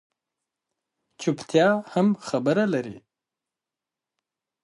چُپتیا هم خبره لري